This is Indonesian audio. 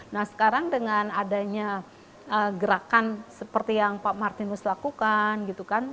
nah sekarang dengan adanya gerakan seperti yang pak martinus lakukan gitu kan